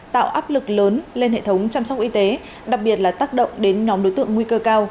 tạo áp lực lớn lên hệ thống chăm sóc y tế đặc biệt là tác động đến nhóm đối tượng nguy cơ cao